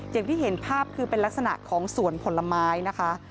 อย่างที่เห็นภาพคือเป็นลักษณะของสวนผลไม้นะคะ